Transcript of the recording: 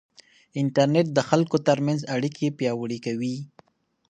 انټرنيټ د خلکو ترمنځ اړیکې پیاوړې کوي.